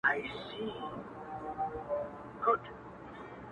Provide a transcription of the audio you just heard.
خو دربیږي په سینو کي لکه مات زاړه ډولونه -